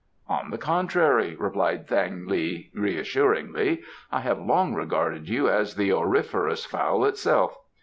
"On the contrary," replied Thang li reassuringly, "I have long regarded you as the auriferous fowl itself.